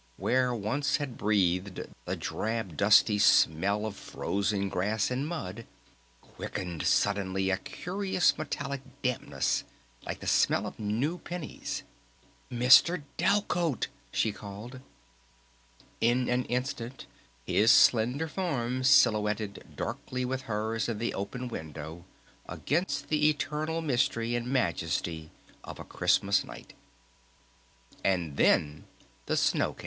Where once had breathed the drab, dusty smell of frozen grass and mud quickened suddenly a curious metallic dampness like the smell of new pennies. "Mr. ... Delcote!" she called. In an instant his slender form silhouetted darkly with hers in the open window against the eternal mystery and majesty of a Christmas night. "And then the snow came!"